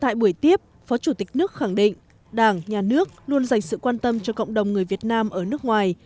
tại buổi tiếp phó chủ tịch nước khẳng định đảng nhà nước luôn dành sự quan tâm cho cộng đồng người việt nam ở nước ngoài